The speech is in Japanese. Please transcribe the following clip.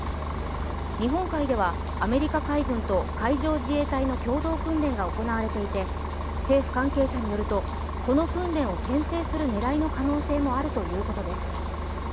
日本海では、アメリカ海軍と海上自衛隊の共同訓練が行われていて政府関係者によると、この訓練をけん制する狙いの可能性もあるということです。